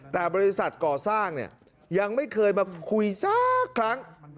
แต่บริษัทก่อสร้างเนี่ยยังไม่เคยมาคุยสักครั้ง